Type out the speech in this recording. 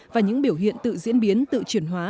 và những biểu hiện tự diễn biến tự chuyển hóa